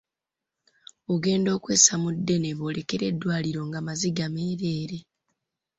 Okugenda okwessa mu ddene boolekere eddwaliro nga maziga meereere.